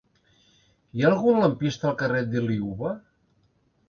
Hi ha algun lampista al carrer de Liuva?